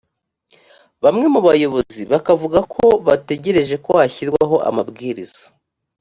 bamwe mu bayobozi bakavuga ko bategereje ko hashyirwaho amabwiriza